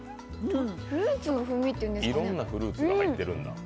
フルーツの風味っていうんですかね。